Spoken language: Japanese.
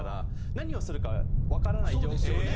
何をするかわからない状況で。